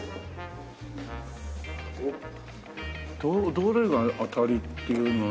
どれが当たりっていうのは。